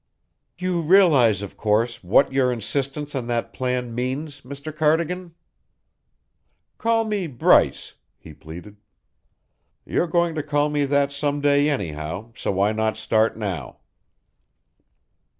"You realize, of course, what your insistence on that plan means, Mr. Cardigan?" "Call me Bryce," he pleaded. "You're going to call me that some day anyhow, so why not start now?"